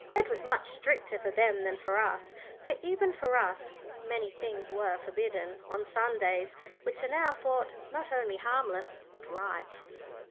It was much stricter for them than for us, though even for us many things were forbidden on Sundays which are now thought not only harmless but right.